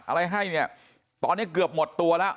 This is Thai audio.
อะไรให้เนี่ยตอนนี้เกือบหมดตัวแล้ว